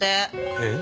えっ？